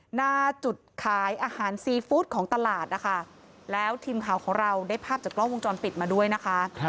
หน้าจุดขายอาหารซีฟู้ดของตลาดนะคะแล้วทีมข่าวของเราได้ภาพจากกล้องวงจรปิดมาด้วยนะคะ